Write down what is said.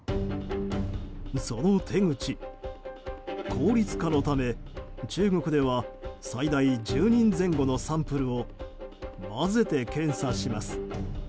その手口効率化のため中国では最大１０人前後のサンプルを混ぜて検査します。